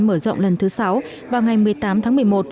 mở rộng lần thứ sáu vào ngày một mươi tám tháng một mươi một